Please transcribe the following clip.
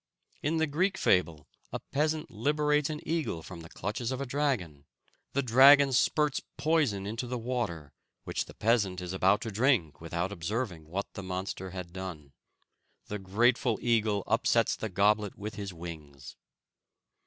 In the Greek fable, a peasant liberates an eagle from the clutches of a dragon. The dragon spirts poison into the water which the peasant is about to drink, without observing what the monster had done. The grateful eagle upsets the goblet with his wings.